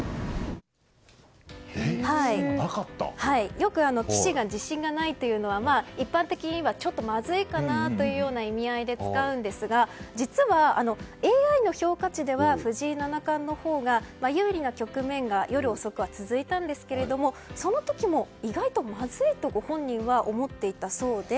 よく、棋士が自信がないというのは一般的にいえばまずいかなという意味合いで使うんですが実は、ＡＩの評価値では藤井七冠のほうが有利な局面が夜遅くは続いたんですがその時も意外と、まずいとご本人は思っていたそうで。